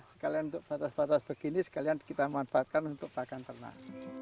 sekalian untuk batas batas begini sekalian kita manfaatkan untuk pakan ternak